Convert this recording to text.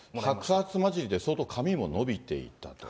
白髪交じりで相当髪も伸びていたと。